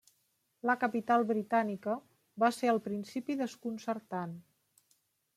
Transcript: La capital britànica va ser al principi desconcertant.